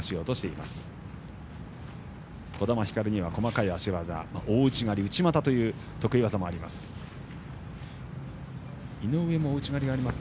児玉ひかるには細かい足技大内刈り内股という得意技もあります。